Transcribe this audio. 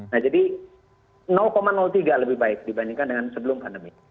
nah jadi tiga lebih baik dibandingkan dengan sebelum pandemi